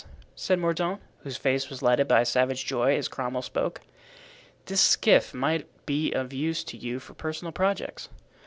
said Mordaunt, whose face was lighted by a savage joy as Cromwell spoke: "This skiff might be of use to you for personal projects."